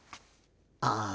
ああ。